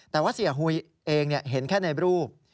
แต่ว่าเสียหุยเองเห็นแค่ในรูป